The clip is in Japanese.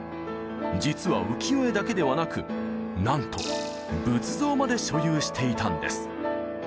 実は浮世絵だけではなくなんと仏像まで所有していたんです。